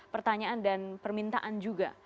pertanyaan dan permintaan juga